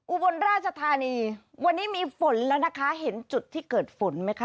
อุบลราชธานีวันนี้มีฝนแล้วนะคะเห็นจุดที่เกิดฝนไหมคะ